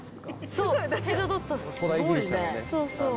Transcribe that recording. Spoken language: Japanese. そう！